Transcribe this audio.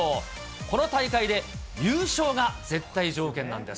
この大会で優勝が絶対条件なんです。